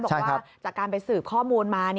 บอกว่าจากการไปสืบข้อมูลมา